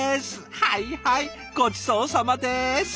はいはいごちそうさまです。